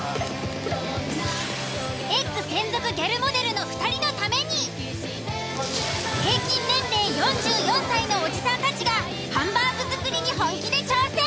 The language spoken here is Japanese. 専属ギャルモデルの２人のために平均年齢４４歳のおじさんたちがハンバーグ作りに本気で挑戦！